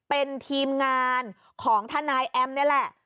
เป็นทีมงานของทนายแอมนี่แหละ